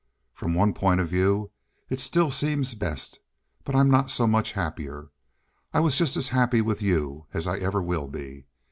From one point of view it still seems best, but I'm not so much happier. I was just as happy with you as I ever will be.